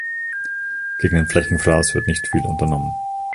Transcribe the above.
Gegen den Flächenfraß wird nicht viel unternommen.